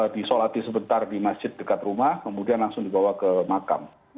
disolati sebentar di masjid dekat rumah kemudian langsung dibawa ke makam